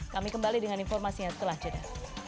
kami kembali dengan informasinya setelah jeda